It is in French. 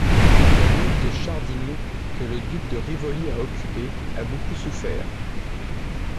La ville de Scharding que le duc de Rivoli a occupée, a beaucoup souffert.